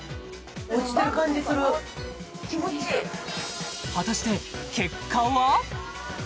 落ちてる感じする果たして結果は？